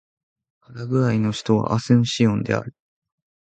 パラグアイの首都はアスンシオンである